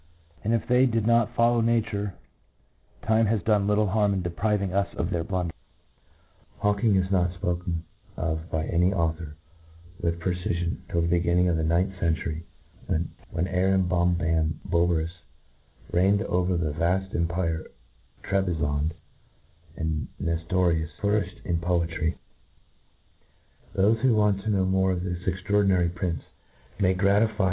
and, if they did not follow nature, time has done little harnx in depriving us of their blunders. Hawking is not fpokcn of by any author, with precifion, till the beginning of the ninth century ^ when Arambombamboberus reigned over the V2lft empire of Trebizond, and Neftorius flou riflied in poetry, Thofe who want to know more of this extraordinary prince, may gratify their INTRODUCTION.